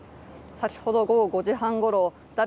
先ほど午後５時半ごろ、だ